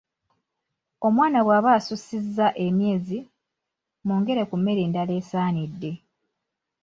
Omwana bw'aba asussizza emyezi , mwongere ku mmere endala esaanidde.